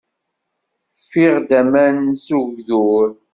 Ffiɣ-d aman s ugdur.